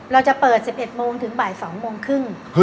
เราจะเปิด๑๑โมงถึงบ่าย๒โมงครึ่ง